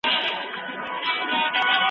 بې کیفیته توکي بازار له لاسه ورکوي.